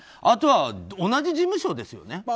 あとは同じ事務所ですよね。